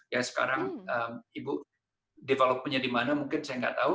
ya sekarang ibu developmentnya di mana mungkin saya nggak tahu